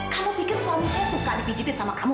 kamu pikir suami saya suka dipijitin sama kamu